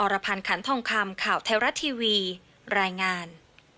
รพันธ์ขันทองคำข่าวไทยรัฐทีวีรายงาน